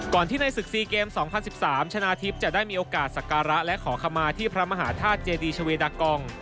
ที่ในศึก๔เกม๒๐๑๓ชนะทิพย์จะได้มีโอกาสสักการะและขอขมาที่พระมหาธาตุเจดีชาเวดากอง